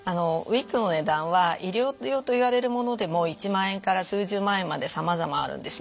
ウイッグの値段は医療用といわれるものでも１万円から数十万円までさまざまあるんですね。